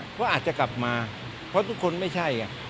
เพราะอาจจะกลับมาเพราะทุกคนไม่ใช่